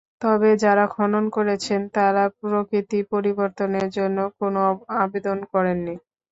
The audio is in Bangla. তবে যাঁরা খনন করেছেন, তাঁরা প্রকৃতি পরিবর্তনের জন্য কোনো আবেদন করেননি।